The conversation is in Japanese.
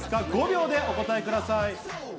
５秒でお答えください。